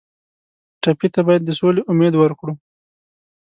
ټپي ته باید د سولې امید ورکړو.